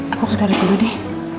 aku kejar dulu deh